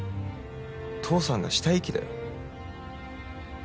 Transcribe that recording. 父さんが死体遺棄だよ